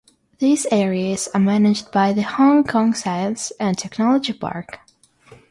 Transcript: These areas are managed by the Hong Kong Science and Technology Park.